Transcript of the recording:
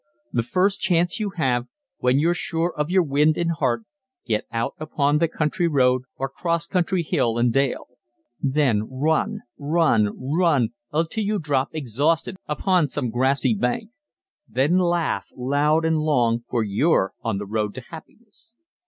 The first chance you have, when you're sure of your wind and heart, get out upon the country road, or cross country hill and dale. Then run, run, run, until you drop exhausted upon some grassy bank. Then laugh, loud and long, for you're on the road to happiness.